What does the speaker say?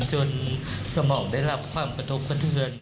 แต่สมองได้รับความประทบคนเดือน